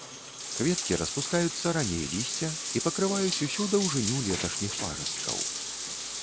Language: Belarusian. Кветкі распускаюцца раней лісця і пакрываюць усю даўжыню леташніх парасткаў.